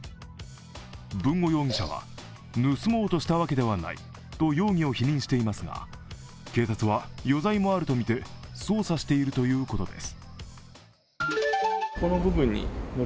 豊後容疑者は盗もうとしたわけではないと容疑を否認していますが警察は余罪もあると見て捜査しているということです。